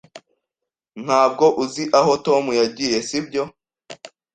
Ntabwo uzi aho Tom yagiye, sibyo?